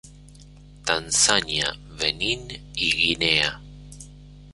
Tanzania, Benín y Guinea.